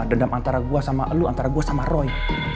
dendam antara gue sama lu antara gue sama roy